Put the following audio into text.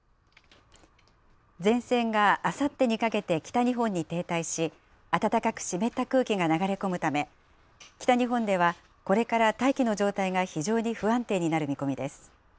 前線があさってにかけて北日本に停滞し、暖かく湿った空気が流れ込むため、北日本ではこれから大気の状態が非常に不安定になる見込みです。